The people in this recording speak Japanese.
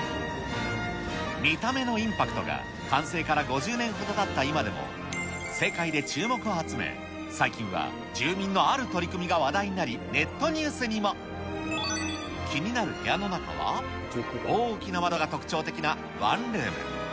見た目のインパクトが、完成から５０年ほどたった今でも、世界で注目を集め、最近は住民のある取り組みが話題になり、ネットニュースにも。気になる部屋の中は、大きな窓が特徴的なワンルーム。